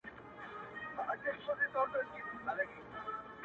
o پردى کټ تر نيمو شپو دئ.